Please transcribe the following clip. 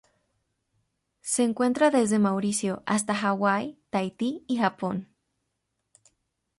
Se encuentra desde Mauricio hasta Hawái, Tahití y Japón.